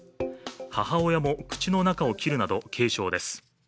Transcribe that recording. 母親も口の中を切るなど軽傷です。